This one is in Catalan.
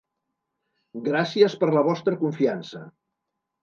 Gràcies per la vostra confiança!